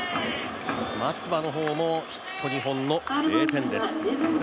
松葉の方もヒット２本の０点です。